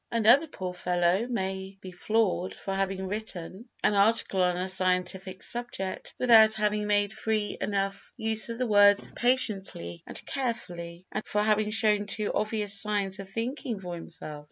Another poor fellow may be floored for having written an article on a scientific subject without having made free enough use of the words "patiently" and "carefully," and for having shown too obvious signs of thinking for himself.